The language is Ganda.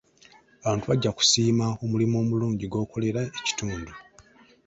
Abantu bajja kusiima omulimu omulungi gw'okolera ekitundu.